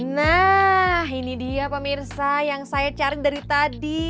nah ini dia pemirsa yang saya cari dari tadi